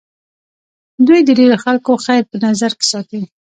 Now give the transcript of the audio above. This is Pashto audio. دوی د ډېرو خلکو خیر په نظر کې ساتي.